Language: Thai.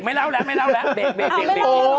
ไม่เล่าแล้วไม่เล่าแล้วเด็ก